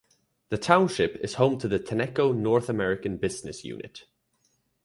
The township is home to the Tenneco North American business unit.